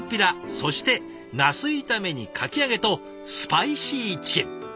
そしてなす炒めにかき揚げとスパイシーチキン。